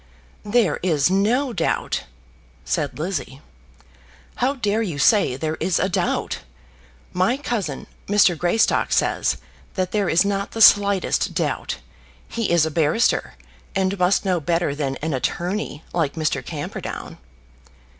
"There is no doubt," said Lizzie; "how dare you say there is a doubt? My cousin, Mr. Greystock, says that there is not the slightest doubt. He is a barrister, and must know better than an attorney like that Mr. Camperdown."